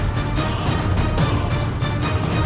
ketika mereka dalam naya kami